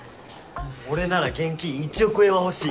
俺なら現金１億円は欲しい。